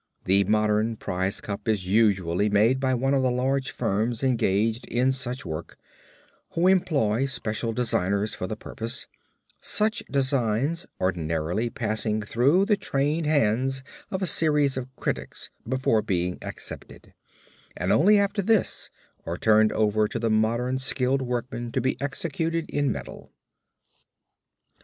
The modern prize cup is usually made by one of the large firms engaged in such work who employ special designers for the purpose, such designs ordinarily passing through the trained hands of a series of critics before being accepted, and only after this are turned over to the modern skilled workmen to be executed in metal.